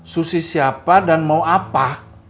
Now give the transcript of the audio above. susi siapa dan mau apa